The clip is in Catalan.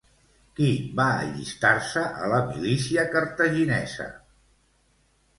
Qui va allistar-se a la milícia cartaginesa?